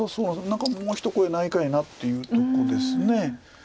「何かもう一声ないかいな」というとこです。